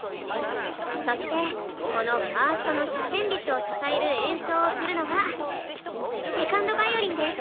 そしてこのファーストの主旋律を支える演奏をするのが２ｎｄヴァイオリンです。